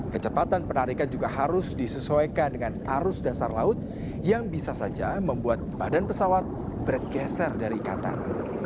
kecepatan penarikan juga harus disesuaikan dengan arus dasar laut yang bisa saja membuat badan pesawat bergeser dari ikatan